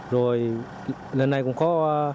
rồi lần này cũng có